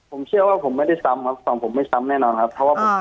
ผมเชื่อว่าผมไม่ได้ซ้ำครับฝั่งผมไม่ซ้ำแน่นอนครับเพราะว่าผม